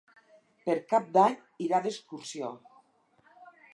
Per Cap d'Any irà d'excursió.